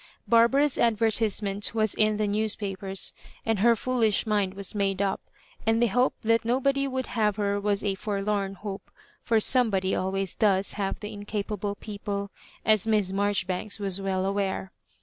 Barbara's advertisement was in the newspapers, and her foolish mind was made up; and the hope that nobody would have her was a forlorn hope, for somebody always does have the incapable people, as Miss Marjoribanks was well aware.